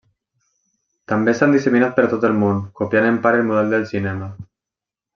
També s'han disseminat per tot el món copiant en part el model del cinema.